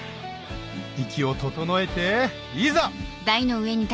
息を整えていざ！